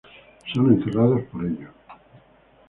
Son encerrados por ello.